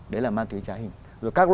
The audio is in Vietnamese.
đấy là ma túy trái hình